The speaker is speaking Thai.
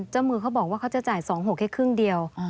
มือเขาบอกว่าเขาจะจ่าย๒๖แค่ครึ่งเดียว